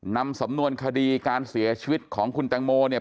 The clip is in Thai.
นำสำนวนคดีการเสียชีวิตของคุณแตงโมเนี่ย